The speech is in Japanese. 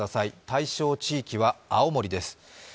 対象地域は青森です。